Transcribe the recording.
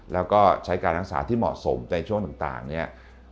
แล้วก็ใช้การรักษาที่เหมาะสมในช่วงต่างเนี่ย